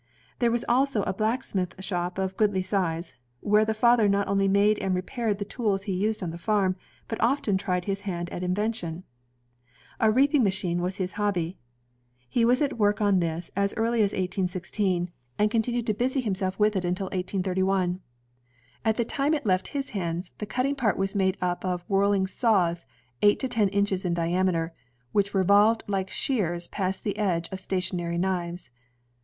There was also a black smith shop of goodly size, where the father not only made and repaired the tools used on the farm, but often tried his hand at invention. A reaping machine was his hobby. He was at work on this as early as 1816, and continued to 148 INVENTIONS OF MANUFACTURE AND PRODUCTION busy himself with it until 1831. At the time it left his hands, the cutting part was made up of whirhng saws eight to ten inches in diameter, which revolved like shears past the edge of stationary knives.